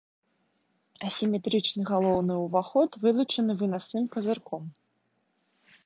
Асіметрычны галоўны ўваход вылучаны вынасным казырком.